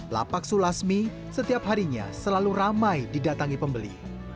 lapak sulasmi setiap harinya selalu ramai didatangi pembeli